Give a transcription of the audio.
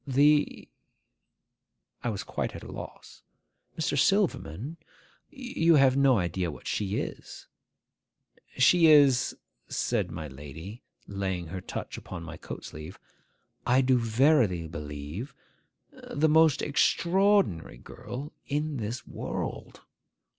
'The—?' I was quite at a loss. 'Mr. Silverman, you have no idea what she is. She is,' said my lady, laying her touch upon my coat sleeve, 'I do verily believe, the most extraordinary girl in this world.